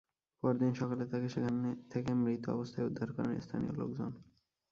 পরদিন সকালে তাঁকে সেখান থেকে মৃত অবস্থায় উদ্ধার করেন স্থানীয় লোকজন।